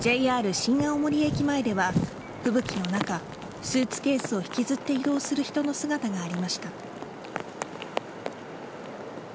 新青森駅前では吹雪の中スーツケースを引きずって移動する人の姿がありました。